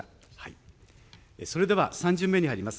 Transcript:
それでは３巡目に入ります。